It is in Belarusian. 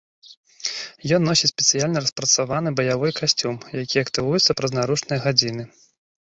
Ён носіць спецыяльна распрацаваны баявой касцюм, які актывуецца праз наручныя гадзіны.